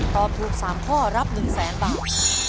ตอบถูกสามข้อรับหนึ่งแสนบาท